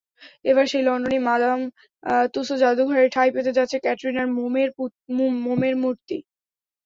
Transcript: এবার সেই লন্ডনেই madame Tussauds জাদুঘরে ঠাঁই পেতে যাচ্ছে ক্যাটরিনার মোমের মূর্তি।